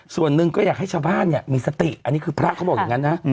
ส่วนหนึ่งก็อยากให้ชาวบ้านเนี่ยมีสติอันนี้คือพระเขาบอกอย่างนั้นนะ